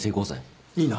いいな。